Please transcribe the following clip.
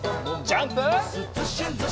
ジャンプ！